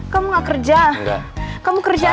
kamu gak kerja engga kamu kerja aja